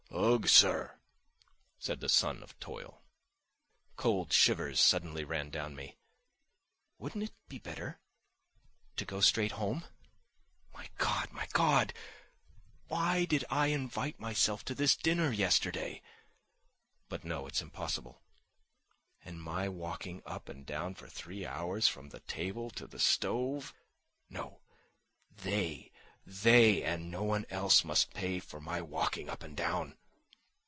"Ugh, sir!" said the son of toil. Cold shivers suddenly ran down me. Wouldn't it be better ... to go straight home? My God, my God! Why did I invite myself to this dinner yesterday? But no, it's impossible. And my walking up and down for three hours from the table to the stove? No, they, they and no one else must pay for my walking up and down!